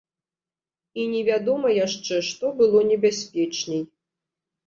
І невядома яшчэ, што было небяспечней.